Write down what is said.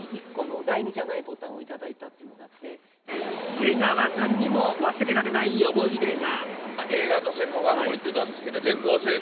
出川さんにも忘れられない思い出が。